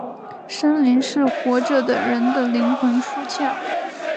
生灵是活着的人的灵魂出窍。